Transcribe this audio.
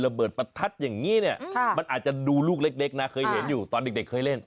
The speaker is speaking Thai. เปิดประทัดอย่างนี้เนี่ยมันอาจจะดูลูกเล็กนะเคยเห็นอยู่ตอนเด็กเคยเล่น